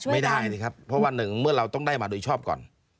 ไม่ได้สิครับเพราะว่าหนึ่งเมื่อเราต้องได้มาโดยชอบก่อน